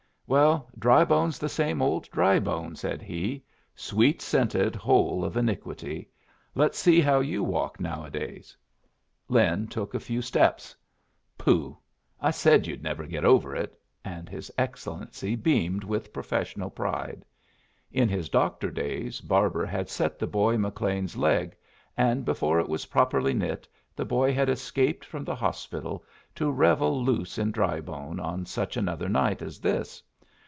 "Well, Drybone's the same old Drybone," said he. "Sweet scented hole of iniquity! Let's see how you walk nowadays." Lin took a few steps. "Pooh! I said you'd never get over it." And his Excellency beamed with professional pride. In his doctor days Barker had set the boy McLean's leg; and before it was properly knit the boy had escaped from the hospital to revel loose in Drybone on such another night as this.